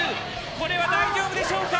これは大丈夫でしょうか。